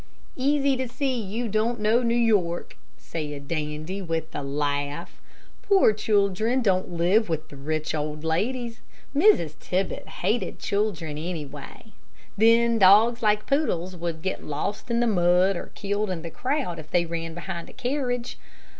"Easy to see you don't know New York," said Dandy, with a laugh. "Poor children don't live with rich, old ladies. Mrs. Tibbett hated children, anyway. Then dogs like poodles would get lost in the mud, or killed in the crowd if they ran behind a carriage.